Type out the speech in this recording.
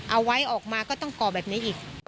เอาไว้ออกมาก็ต้องก่อแบบนี้อีก